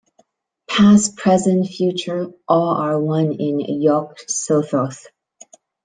Past, present, future, all are one in Yog-Sothoth.